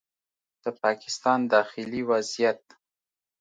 د پاکستان داخلي وضعیت